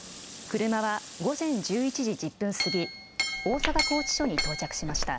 車は午前１１時１０分過ぎ、大阪拘置所に到着しました。